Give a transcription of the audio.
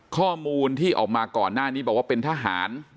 ข้อมูลที่ออกมาก่อนหน้านี้บอกว่าเป็นทหาร